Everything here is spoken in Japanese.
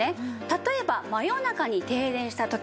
例えば真夜中に停電した時。